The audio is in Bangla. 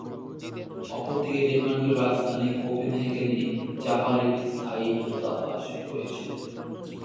অপরদিকে ডেনমার্কের রাজধানী কোপেনহেগেন-এ জাপানের একটি স্থায়ী দূতাবাস রয়েছে।